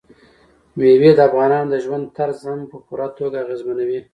مېوې د افغانانو د ژوند طرز هم په پوره توګه اغېزمنوي.